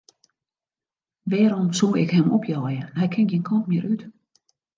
Wêrom soe ik him opjeie, hy kin gjin kant mear út.